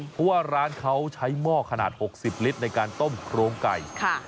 เพราะว่าร้านเขาใช้หม้อขนาด๖๐ลิตรในการต้มโครงไก่